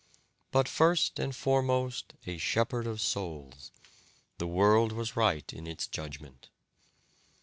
But first and foremost a shepherd of souls. The world was right in its judgement.